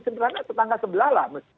sebenarnya tetangga sebelah lah